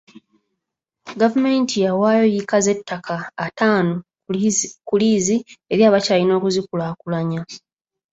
Gavumenti yawaayo yiika z'ettaka ataano ku liizi eri Abakyalina okuzikulaakulanya.